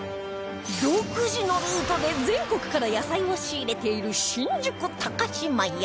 独自のルートで全国から野菜を仕入れている新宿島屋